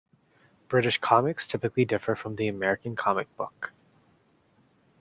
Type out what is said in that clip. British comics typically differ from the American comic book.